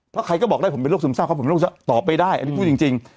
เพราะใครก็บอกได้ผมเป็นโรคซึมซ่าผมเป็นโรคซึมซ่าตอบไปได้อันนี้พูดจริงจริง